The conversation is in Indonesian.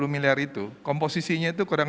sepuluh miliar itu komposisinya itu kurang